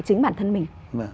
chính bản thân mình